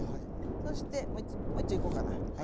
そしてもういっちょいこうかな。